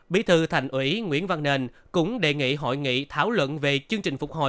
bí thư thành ủy nguyễn văn nền cũng đề nghị hội nghị thảo luận về chương trình phục hồi